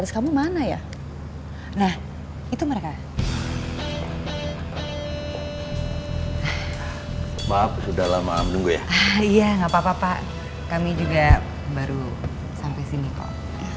iya gak apa apa pak kami juga baru sampai sini kok